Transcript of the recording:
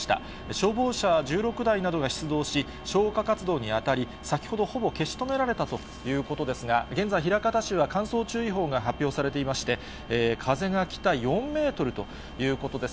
消防車１６台などが出動し、消火活動に当たり、先ほどほぼ消し止められたということですが、現在、枚方市は乾燥注意報が発表されていまして、風が北４メートルということです。